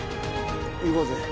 行こうぜ。